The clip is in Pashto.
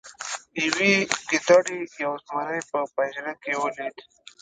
یوې ګیدړې یو زمری په پنجره کې ولید.